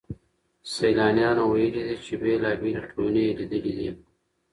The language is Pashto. سيلانيانو ويلي دي چي بېلابېلې ټولني يې ليدلې دي.